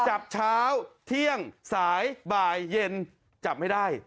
จับเช้าเที่ยงสายบ่ายเย็นจับไม่ได้